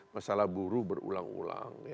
masalah buruh berulang ulang